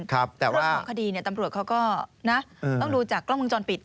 เรื่องของคดีตำรวจเขาก็ต้องดูจากกล้องวงจรปิด